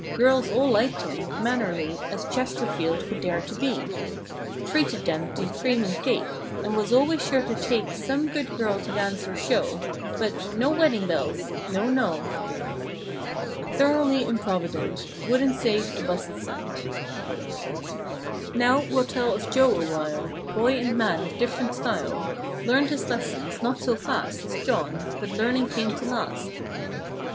Girls all liked him. Mannerly As Chesterfield could dare to be. Treated them to cream and cake And was always sure to take Some good girl to dance or show— But—"No wedding bells"—No. No. Thoroughly improvident ; Wouldn't save a blessed cent. Now we'll tell of Joe awhile: Boy and man of dif'rent style Learned his lessons, not so fast As John; but learning came to last.